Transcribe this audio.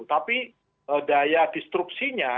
tapi daya distruksinya